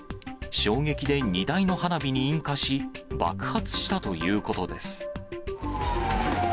衝撃で荷台の花火に引火し、爆発したということです。